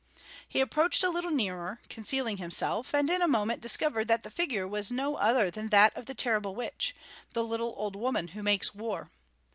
He approached a little nearer, concealing himself, and in a moment discovered that the figure was no other than that of the terrible witch, the Little Old Woman Who Makes War.